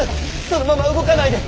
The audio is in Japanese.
そのまま動かないで。